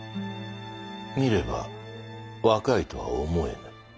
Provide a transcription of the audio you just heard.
見れば若いとは思えぬ。